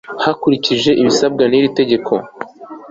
hakurikijwe ibisabwa n'iri tegeko